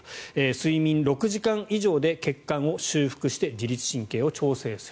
睡眠６時間以上で血管を修復して自律神経を調整する。